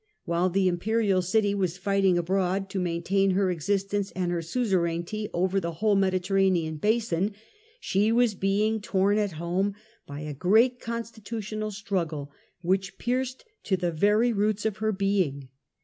While the imperial city was fighting abroad, to maintain her existence and her suze rainty over the whole Mediterranean basin, she was being torn at home by a great constitutional struggle which pierced to the very roots of her beiug.